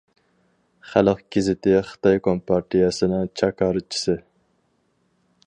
خەلق گېزىتى خىتاي كومپارتىيەسىنىڭ جاكارچىسى.